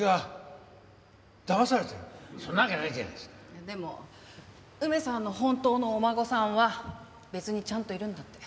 いやでも梅さんの本当のお孫さんは別にちゃんといるんだって。